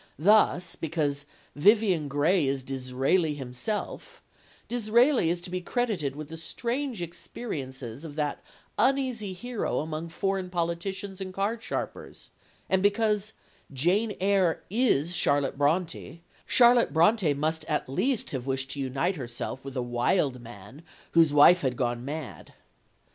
Thus, because "Vivian Grey is Disraeli himself," Disraeli is to be credited with the strange experiences of that uneasy hero among foreign politicians and card sharpers; and because "Jane Eyre is Charlotte Brontë," Charlotte Brontë must at least have wished to unite herself with a wild man whose wife had gone mad.